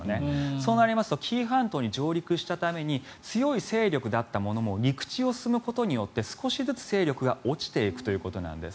そうなりますと紀伊半島に上陸したために強い勢力だったものも陸地を進むことによって少しずつ勢力が落ちていくということなんです。